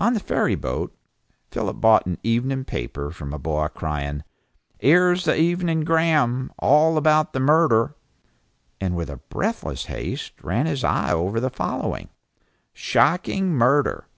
On the ferry boat Philip bought an evening paper from a boy crying "'Ere's the Evening Gram, all about the murder," and with breathless haste ran his eyes over the following: SHOCKING MURDER!!!